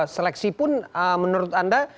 seleksi pun menurut anda